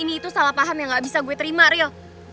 ini itu salah paham yang gak bisa gue terima real